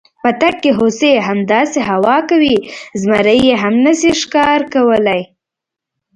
په تګ کې هوسۍ، همداسې هوا کوي، زمري یې هم نشي ښکار کولی.